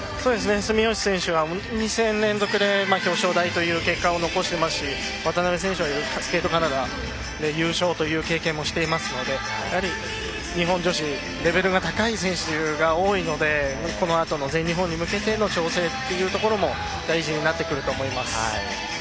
住吉選手は、２戦連続で表彰台という結果を残していますし渡辺選手はスケートカナダで優勝という経験もしていますので日本女子レベルが高い選手多いのでこのあとの全日本に向けての調整も大事になってくると思います。